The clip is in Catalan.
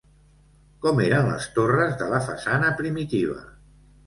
Com eren les torres de la façana primitiva?